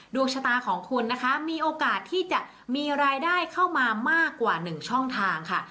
ดวงชะตาของคุณนะคะมีโอกาสที่จะมีรายได้เข้ามามากกว่า๑ช่องทางค่ะ